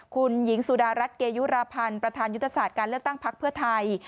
คุณหญิงสุดารัฐเกยุราพันธ์ประธานยุทธศาสตร์การเลือกตั้งพักเพื่อไทย